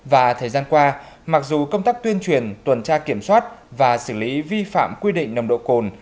và thời gian qua mặc dù công tác tuyên truyền tuần tra kiểm soát và xử lý vi phạm quy định nồng độ cồn